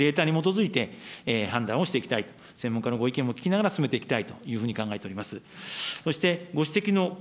もちろん、ご指摘のデータに基づいて判断をしていきたいと、専門家のご意見も聞きながら進めていきたいというふうに考えております。